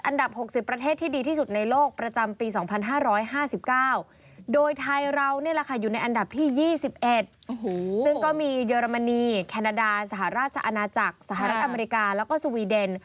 อันดับที่๒๑ซึ่งก็มีเยอรมนีแคนาดาสหราชอาณาจักรสหรัฐอเมริกาแล้วก็สวีเดน